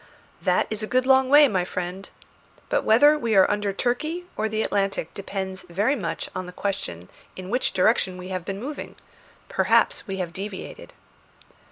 "That is a good long way, my friend. But whether we are under Turkey or the Atlantic depends very much upon the question in what direction we have been moving. Perhaps we have deviated."